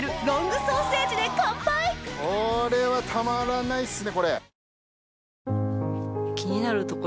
これはたまらないっすね。